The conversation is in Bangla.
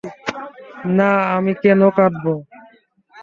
না, আমি কেন কাদবো?